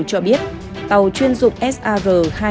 cho biết tàu chuyên dụng sav hai trăm bảy mươi hai